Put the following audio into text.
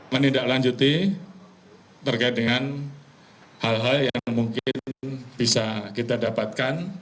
menindaklanjuti terkait dengan hal hal yang mungkin bisa kita dapatkan